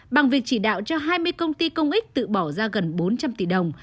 bằng việc chỉ đạo cho hai mươi công ty công ích tự bỏ ra gần bốn trăm linh tỷ đồng